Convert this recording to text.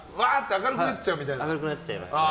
明るくなっちゃいますね。